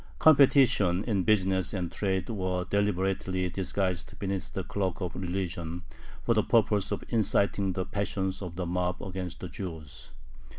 Competition in business and trade was deliberately disguised beneath the cloak of religion, for the purpose of inciting the passions of the mob against the Jews.